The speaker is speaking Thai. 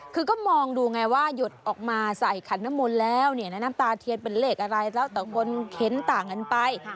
คือก็มองดูไงว่าหยดออกมาใส่ขันน้ำมนต์แล้วเนี่ยนะน้ำตาเทียนเป็นเลขอะไรแล้วแต่คนเข็นต่างกันไป